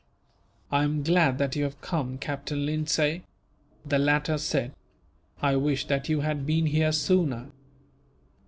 "I am glad that you have come, Captain Lindsay," the latter said. "I wish that you had been here sooner."